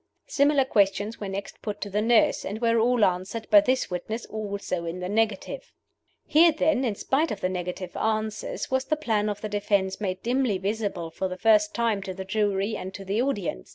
Similar questions were next put to the nurse, and were all answered by this witness also in the negative. Here, then, in spite of the negative answers, was the plan of the defense made dimly visible for the first time to the jury and to the audience.